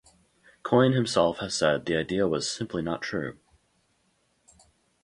Coyne himself has said the idea was "simply not true".